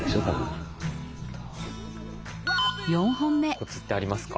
コツってありますか？